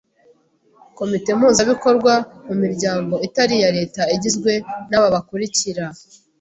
Komite Mpuzabikorwa mu miryango itari iya Leta igizwe n’aba bakurikira